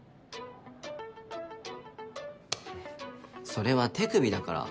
それは手首だから。